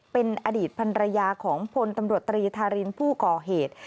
เป็นอดีตพันรยาของพลตำรวจตรีธารินผู้ก่อเหตุ